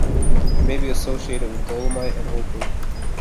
It may be associated with dolomite and opal.